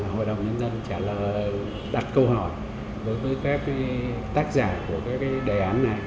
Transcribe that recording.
hội đồng nhân dân đặt câu hỏi với các tác giả của đề án này